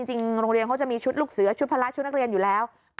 จริงโรงเรียนเขาจะมีชุดลูกเสือชุดพละชุดนักเรียนอยู่แล้ว